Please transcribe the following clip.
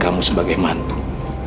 kamu tidak marah